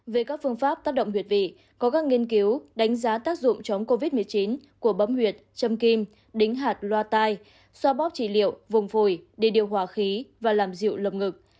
về các phương pháp tác động huyệt vị có các nghiên cứu đánh giá tác dụng chống covid một mươi chín của bấm huyệt châm kim đính hạt loa tai xoa bóp trì liệu vùng phổi để điều hòa khí và làm dịu lầm ngực